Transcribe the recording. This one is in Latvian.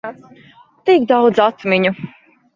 Tik daudz atmiņu.